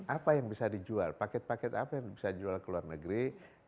apa yang bisa dijual paket paket apa yang bisa dijual ke luar negeri